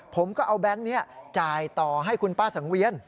ผมก็เอาแบงค์นี้จ่ายต่อให้คุณป้าสังเวียน